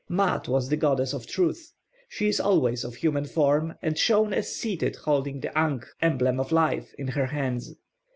+Maat+ was the goddess of truth. She is always of human form, and shown as seated holding the ankh, emblem of life, in her hands.